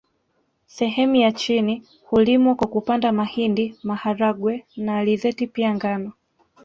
Sehemu ya chini hulimwa kwa kupanda mahindi maharagwe na alizeti pia ngano